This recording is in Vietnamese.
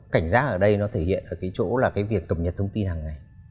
cảnh giác ở đây nó thể hiện ở cái chỗ là cái việc cập nhật thông tin hàng ngày